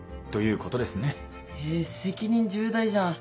え責任重大じゃん。